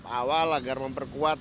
awal agar memperkuat